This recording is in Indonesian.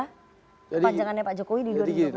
kepanjangannya pak jokowi di dua ribu dua puluh